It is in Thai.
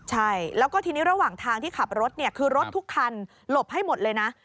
ใช่แล้วก็ทีนี้ระหว่างทางที่ขับรถเนี่ยคือรถทุกคันหลบให้หมดเลยนะ